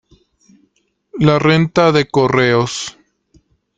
La renta de correos.